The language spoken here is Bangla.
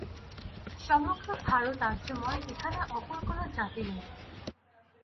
সমগ্র ভারত আর্যময়, এখানে অপর কোন জাতি নাই।